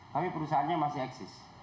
tapi perusahaannya masih eksis